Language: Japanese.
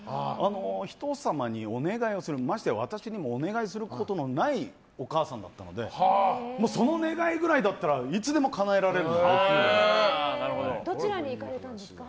人様にお願いをする、ましては私にもお願いをすることがないお母さんだったのでその願いくらいだったらどちらに行かれたんですか？